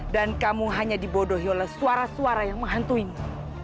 dan kamu hanya dibodohi oleh suara suara yang menghantuimu